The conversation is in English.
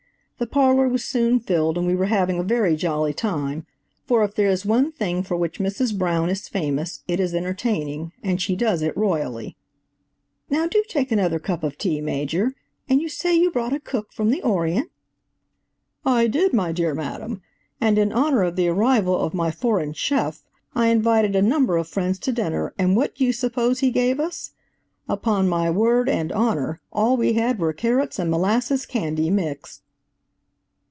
The parlor was soon filled and we were having a very jolly time, for if there is one thing for which Mrs. Brown is famous, it is entertaining, and she does it royally. "Now do take another cup of tea, Major–and you say you brought a cook from the Orient?" "I did, my dear madam, and in honor of the arrival of my foreign chef, I invited a number of friends to dinner and what do you suppose he gave us? Upon my word and honor, all we had were carrots and molasses candy mixed!"